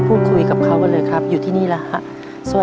พอลุงเดี่ยว